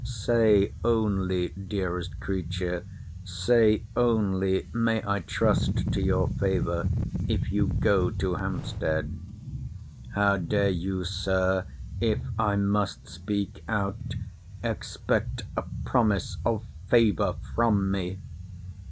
Say only, dearest creature, say only, may I trust to your favour, if you go to Hampstead? How dare you, Sir, if I must speak out, expect a promise of favour from me?